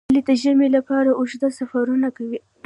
هیلۍ د ژمي لپاره اوږده سفرونه کوي